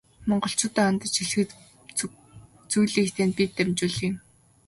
Монголчууддаа хандаж хэлэх зүйлийг тань бид дамжуулъя.